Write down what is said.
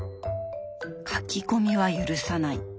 「書き込みは許さない」。